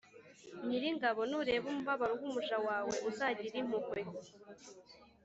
Nyiringabo nureba umubabaro w’umuja wawe uzagire impuhwe